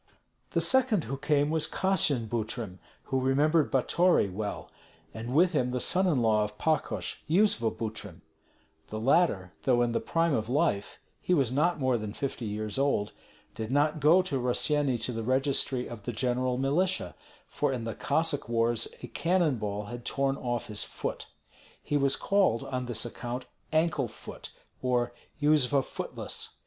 The second who came was Kassyan Butrym, who remembered Batory well, and with him the son in law of Pakosh, Yuzva Butrym; the latter, though in the prime of life, he was not more than fifty years old, did not go to Rossyeni to the registry of the general militia, for in the Cossack wars a cannon ball had torn off his foot. He was called on this account Ankle foot, or Yuzva Footless.